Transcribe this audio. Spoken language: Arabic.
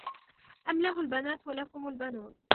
أم له البنات ولكم البنون